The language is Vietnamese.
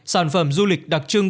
sản phẩm du lịch đặc trưng